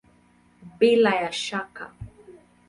Bila ya shaka!